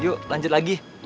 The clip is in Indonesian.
yuk lanjut lagi